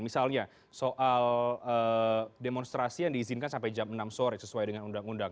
misalnya soal demonstrasi yang diizinkan sampai jam enam sore sesuai dengan undang undang